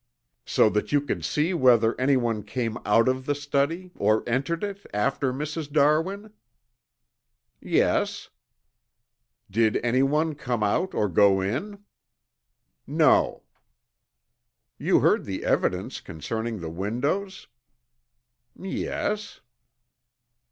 "So that you could see whether anyone came out of the study, or entered it after Mrs. Darwin?" "Yes." "Did anyone come out or go in?" "No." "You heard the evidence concerning the windows?" "Yes."